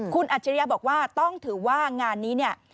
คุณอัจฉริยะบอกว่าต้องถือว่างานนี้เนี่ย